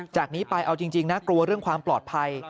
จากนี้ไปเอาจริงนะกลัวเรื่องความปลอดภัย